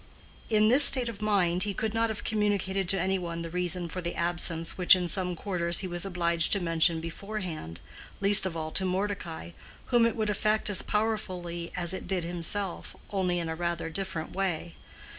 In this state of mind he could not have communicated to any one the reason for the absence which in some quarters he was obliged to mention beforehand, least of all to Mordecai, whom it would affect as powerfully as it did himself, only in rather a different way.